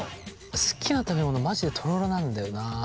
好きな食べ物マジでとろろなんだよなあ。